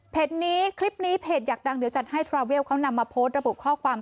เพจนี้คลิปนี้เพจอยากดังเดี๋ยวจัดให้ทราเวียลเขานำมาโพสต์ระบบข้อความเตือนไพรเอาไว้